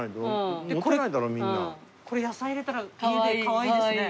これ野菜入れたら家でかわいいですね。